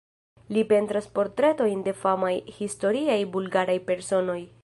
Li pentras portretojn de famaj historiaj bulgaraj personoj.